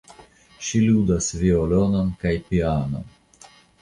Ŝi ludas violonon kaj pianon.